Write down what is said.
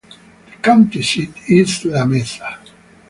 The county seat is Lamesa.